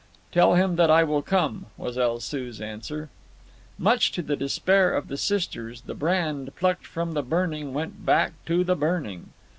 "Tell him that I will come," was El Soo's answer. Much to the despair of the Sisters, the brand plucked from the burning went back to the burning.